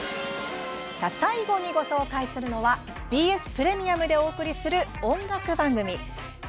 最後にご紹介するのはＢＳプレミアムでお送りする音楽番組。